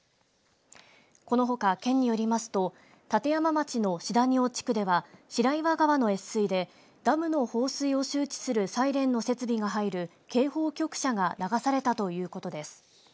このほか、県によりますと立山町の四谷尾地区では白岩川の越水でダムの放水を周知するサイレンの設備が入る警報局舎が流されたということです。